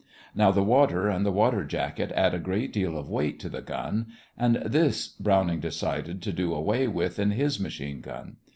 Now the water and the water jacket add a great deal of weight to the gun, and this Browning decided to do away with in his machine gun.